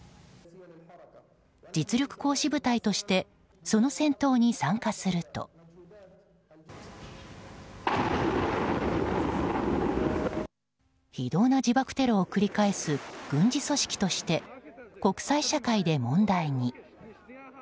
実力行使部隊としてその戦闘に参加すると非道な自爆テロを繰り返す軍事組織として国際社会で問題に。